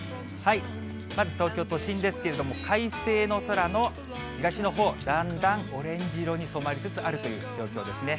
まず東京都心ですけれども、快晴の空の東のほう、だんだんオレンジ色に染まりつつあるという状況ですね。